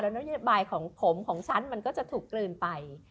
นโยบายของผมของฉันมันก็จะถูกกลืนไป